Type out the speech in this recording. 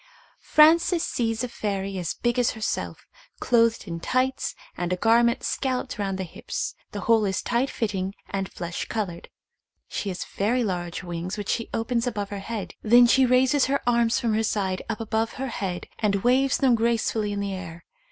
Frances sees a fairy as big as herself, clothed in tights and a garment scalloped round the hips; the whole is tight fitting and flesh coloured ; she has very large wings which she opens above her head ; then she raises her arms from her side up above her head and waves them gracefully in the air.